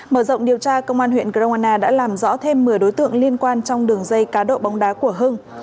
mở rộng điều tra công an huyện grongana đã làm rõ thêm một mươi đối tượng liên quan trong đường dây cá độ bóng đá của hưng